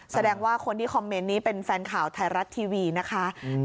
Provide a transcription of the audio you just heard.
แสดงว่าคนที่คอมเมนต์นี้เป็นแฟนข่าวไทยรัฐทีวีนะคะ